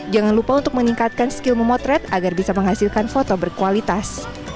jangan lupa untuk meningkatkan skill memotret agar bisa menghasilkan foto berkualitas